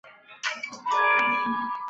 鸻刺缘吸虫为棘口科刺缘属的动物。